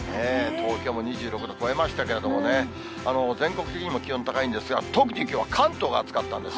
東京も２６度超えましたけれどもね、全国的にも気温高いんですが、特にきょうは関東が暑かったんです。